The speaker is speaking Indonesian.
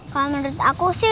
kalau menurut aku sih